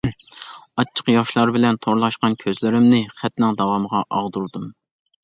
ئاچچىق ياشلار بىلەن تورلاشقان كۆزلىرىمنى خەتنىڭ داۋامىغا ئاغدۇردۇم.